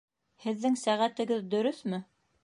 Һеҙҙең сәғәтегеҙ дөрөҫмө?